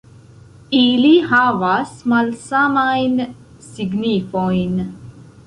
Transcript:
Ili havas malsamajn signifojn.